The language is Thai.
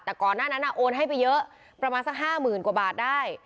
แต่ก่อนหน้านั้นโอนให้ไปเยอะประมาณสัก๕๐๐๐กว่าบาทได้